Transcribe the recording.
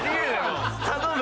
頼む！